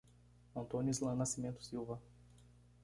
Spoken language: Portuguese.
Antônio Islan Nascimento Silva